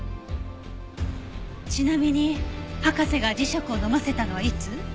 ちなみに博士が磁石を飲ませたのはいつ？